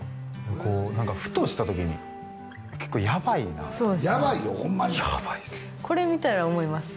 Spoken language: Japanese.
こう何かふとした時に結構やばいなとやばいよホンマにやばいっすこれ見たら思います